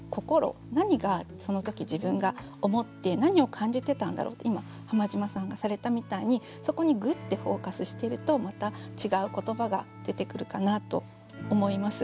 何がその時自分が思って何を感じてたんだろうって今浜島さんがされたみたいにそこにグッてフォーカスしてるとまた違う言葉が出てくるかなと思います。